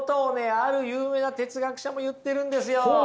ある有名な哲学者も言ってるんですよ。